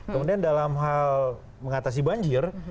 kemudian dalam hal mengatasi banjir